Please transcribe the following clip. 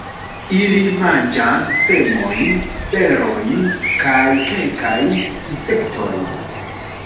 Ili manĝas semojn, berojn kaj kelkajn insektojn.